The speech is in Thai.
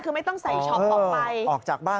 คือไม่ต้องใส่ช็อปออกไปออกจากบ้าน